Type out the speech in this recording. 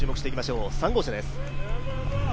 ３号車です。